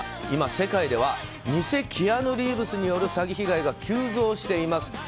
今、世界では偽キアヌ・リーブスによる詐欺被害が急増しています。